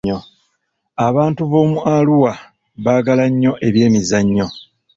Abantu b'omu Arua baagala nnyo ebyemizannyo.